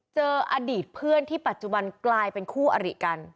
เจออดีตเพื่อนที่ปัจจุบันกลายเป็นคู่อริกัน